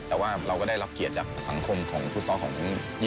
แต่ว่าเราก็ได้รับเกียรติจากสังคมและฝุ่นซ่อมนี้มาทุกปี